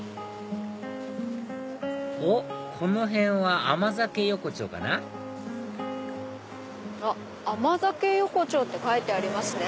おっこの辺は甘酒横丁かな「甘酒横丁」って書いてありますね。